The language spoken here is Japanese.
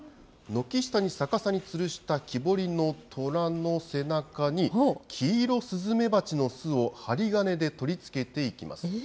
軒下に逆さにつるした木彫りのとらの背中に、キイロスズメバチの巣を針金で取り付けていきます。